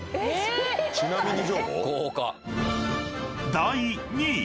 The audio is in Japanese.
［第２位］